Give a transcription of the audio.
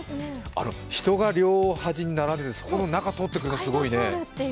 あの、人が両端に並んでてその中、通ってくの、すごいね。